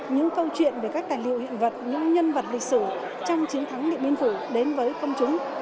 những câu chuyện về các tài liệu hiện vật những nhân vật lịch sử trong chiến thắng điện biên phủ đến với công chúng